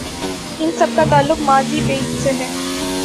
ان سب کا تعلق ماضی بعید سے ہے۔